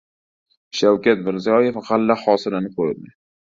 Shavkat Mirziyoyev g‘alla hosilini ko‘rdi